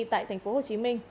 tại thành phố hồ chí minh